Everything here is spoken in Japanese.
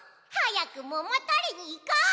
はやくももとりにいこ！